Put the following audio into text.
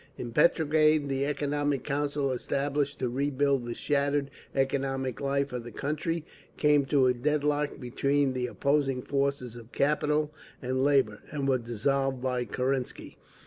In Petrograd the Economic Council, established to rebuild the shattered economic life of the country, came to a deadlock between the opposing forces of capital and labour, and was dissolved by Kerensky.